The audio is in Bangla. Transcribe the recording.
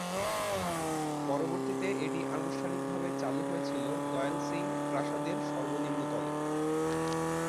পরবর্তীতে এটি আনুষ্ঠানিকভাবে চালু হয়েছিল দয়াল সিং প্রাসাদের সর্বনিম্ন তলে।